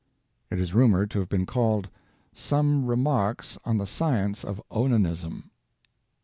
It is rumored to have been called "Some Remarks on the Science of Onanism."